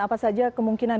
apa saja kemungkinan